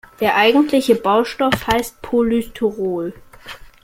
Der eigentliche Baustoff heißt Polystyrol.